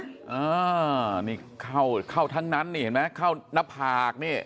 เยี่ยมนี่เข้าทั้งนั้นนี่เข้านับผากนี่